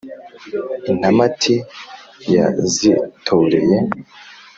Intamati yazitoreye